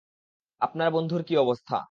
আপনার বন্ধুর কি অবস্থা?